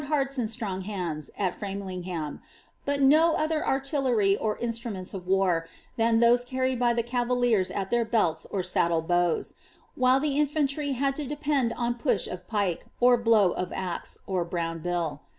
hearts and stronv hands at Framlingham, but no other artillery or iDStiv ments of war than those carried by the cavaliers at their belts or saddle hows, while the infantry had to depend on push of pike, or blow ol axe, or brown bill.